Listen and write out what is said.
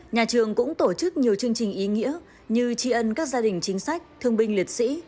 nhà trường cũng tổ chức nhiều chương trình ý nghĩa như tri ân các gia đình chính sách thương binh liệt sĩ